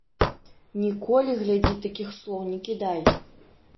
Ніколі, глядзі, такіх слоў не кідай.